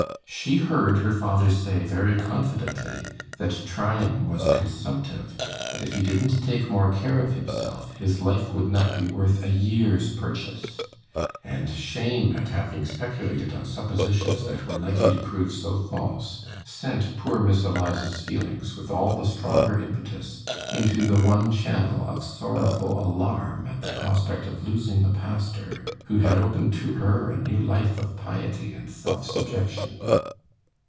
She heard her father say very confidently that 'Tryan was consumptive, and if he didn't take more care of himself, his life would not be worth a year's purchase;' and shame at having speculated on suppositions that were likely to prove so false, sent poor Miss Eliza's feelings with all the stronger impetus into the one channel of sorrowful alarm at the prospect of losing the pastor who had opened to her a new life of piety and self subjection.